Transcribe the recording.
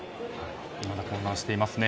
いまだ混乱していますね。